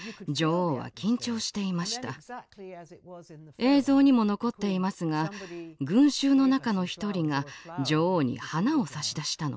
映像にも残っていますが群衆の中の一人が女王に花を差し出したのです。